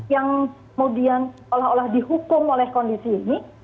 yang kemudian seolah olah dihukum oleh kondisi ini